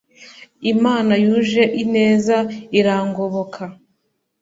Imana yuje ineza irangoboka